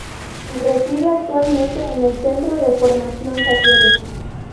Reside actualmente en el Centro de Formación Talleres.